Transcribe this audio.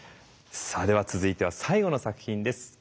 さあでは続いては最後の作品です。